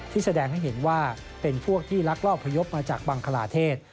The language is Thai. แสดงให้เห็นว่าเป็นพวกที่ลักลอบพยพมาจากบังคลาเทศ